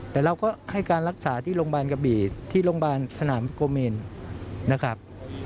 แต่เราก็ให้การรักษาที่โรงที่สนามกระบีที่โรงแสนอันโกมีนนะครับ